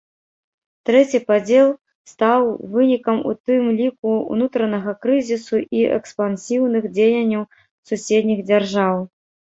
Трэці падзел стаў вынікам у тым ліку ўнутранага крызісу і экспансіўных дзеянняў суседніх дзяржаў.